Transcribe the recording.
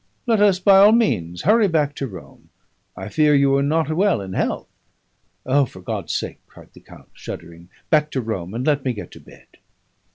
'Let us by all means hurry back to Rome. I fear you are not well in health.' 'O, for God's sake!' cried the count, shuddering, 'back to Rome and let me get to bed.'